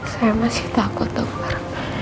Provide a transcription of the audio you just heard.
saya masih takut dokter